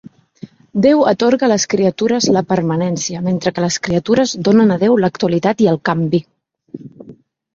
Déu atorga a les criatures la permanència, mentre que les criatures donen a Déu l'actualitat i el canvi.